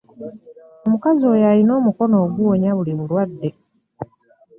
Omukazi oyo alina omukono oguwonya buli bulwadde.